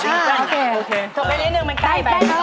ตกไปนิดหนึ่งมันใกล้ไป